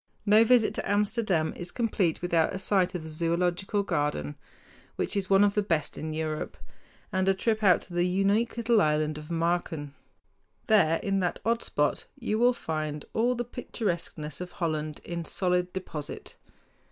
No visit to Amsterdam is complete without a sight of the Zoölogical Garden, which is one of the best in Europe, and a trip out to the unique little Island of Marken. There in that odd spot you will find all the picturesqueness of Holland in solid deposit.